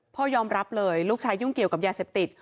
พ่อยอมรับเลยลูกชายยุ่งเกี่ยวกับยาเสพติด